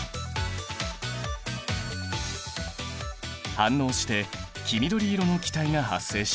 反応して黄緑色の気体が発生した。